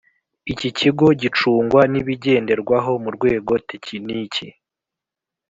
Iki kigo gicungwa n’ibigenderwaho mu rwego tekiniki